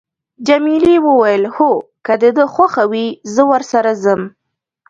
جميلې وويل: هو، که د ده خوښه وي، زه ورسره ځم.